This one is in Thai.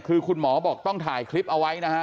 คือคุณหมอบอกต้องถ่ายคลิปเอาไว้นะฮะ